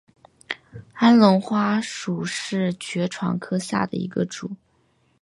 安龙花属是爵床科下的一个属。